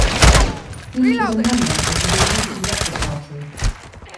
He is a member of the United Russia party.